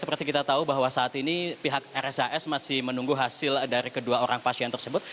seperti kita tahu bahwa saat ini pihak rshs masih menunggu hasil dari kedua orang pasien tersebut